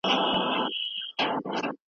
د لاسي صنایعو بازار باید پراخ سي.